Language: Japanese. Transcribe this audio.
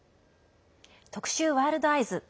特集「ワールドＥＹＥＳ」。